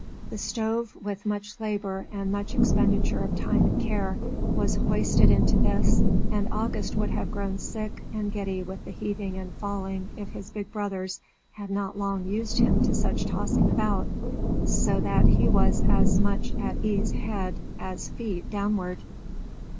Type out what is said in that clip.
The stove, with much labour and much expenditure of time and care, was hoisted into this, and August would have grown sick and giddy with the heaving and falling if his big brothers had not long used him to such tossing about, so that he was as much at ease head, as feet, downward.